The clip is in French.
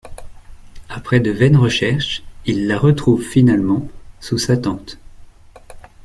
Après de vaines recherches, il la retrouve finalement... sous sa tente.